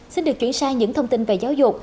xin được chuyển sang những thông tin về giáo dục